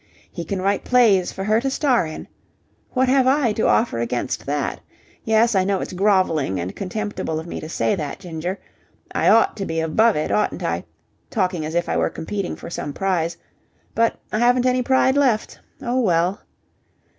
He can write plays for her to star in. What have I to offer against that? Yes, I know it's grovelling and contemptible of me to say that, Ginger. I ought to be above it, oughtn't I talking as if I were competing for some prize... But I haven't any pride left. Oh, well!